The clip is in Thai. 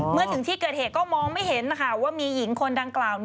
เมื่อถึงที่เกิดเหตุก็มองไม่เห็นว่ามีหญิงคนดังกล่าว